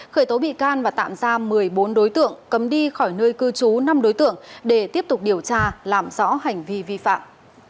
khởi tố bị can và tạm giam một mươi bốn đối tượng cấm đi khỏi nơi cư trú năm đối tượng để tiếp tục điều tra làm rõ hành vi vi phạm